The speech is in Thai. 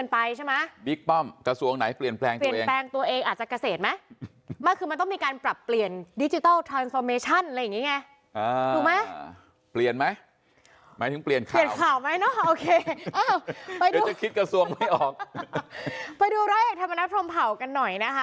ไปดูร้อยเอกร้อยเอกธรรมนัฐพรมเผากันหน่อยนะคะ